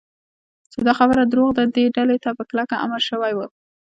چې دا خبره دروغ ده، دې ډلې ته په کلکه امر شوی و.